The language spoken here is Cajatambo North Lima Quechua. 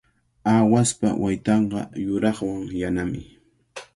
Aawaspa waytanqa yuraqwan yanami.